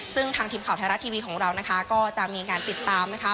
ซึ่งทางทีมข่าวไทยรัฐทีวีของเรานะคะก็จะมีการติดตามนะคะ